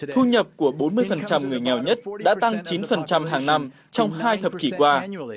thu nhập của bốn mươi người nghèo nhất đã tăng chín hàng năm trong hai thập kỷ qua